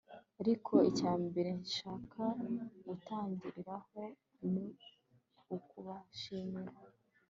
ariko icya mbere nshaka gutangiriraho ni ukubashimira